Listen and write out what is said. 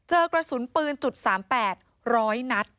เจอกระสุนปืน๓๘ร้อยนัตร